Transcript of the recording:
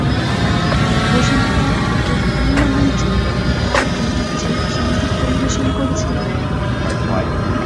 বসুন্ধরা ভারতের বিভিন্ন মঞ্চে খেয়াল ঐতিহ্যে সংগীত পরিবেশন করেছিলেন।